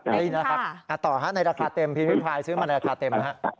เรียกเถอะครับในราคาเต็ม